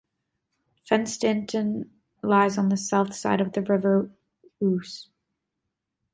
Fenstanton lies on the south side of the River Ouse.